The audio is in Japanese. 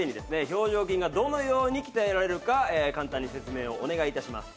表情筋がどのように鍛えられるか簡単に説明をお願い致します。